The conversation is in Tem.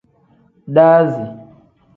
Daazi.